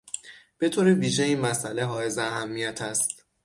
به طور ویژه این مساله حائز اهمیت است